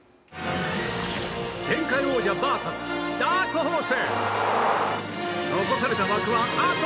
前回王者ＶＳダークホース！